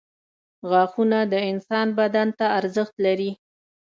• غاښونه د انسان بدن ته ارزښت لري.